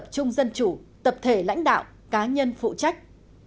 chung dân chủ tập thể lãnh đạo cá nhân phụ trách